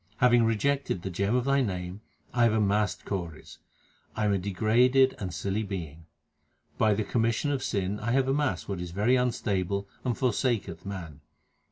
Having rejected the gem of Thy name, I have amassed kauris ; I am a degraded and silly being. By the commission of sin I have amassed what is very unstable and forsaketh man.